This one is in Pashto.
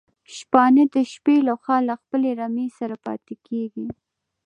شپانه د شپې لخوا له خپلي رمې سره پاتي کيږي